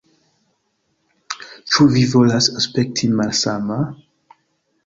Ĉu vi volas aspekti malsama?